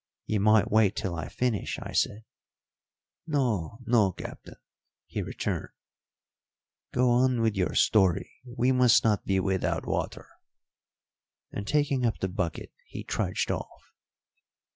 "You might wait till I finish," I said. "No, no, Captain," he returned. "Go on with your story; we must not be without water." And, taking up the bucket, he trudged off.